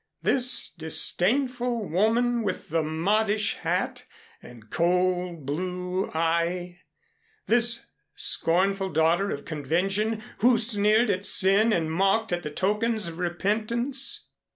This disdainful woman with the modish hat and cold blue eye, this scornful daughter of convention who sneered at sin and mocked at the tokens of repentance?